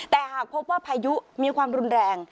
แต่หากพบว่าพายุมีความรุนแรง